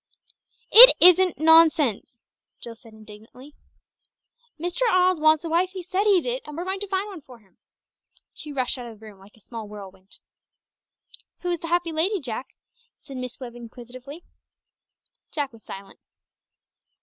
"It isn't nonsense!" Jill said indignantly. "Mr. Arnold wants a wife, he said he did; and we're going to find one for him." She rushed out of the room like a small whirlwind. "Who is the happy lady, Jack?" asked Miss Webb inquisitively. Jack was silent.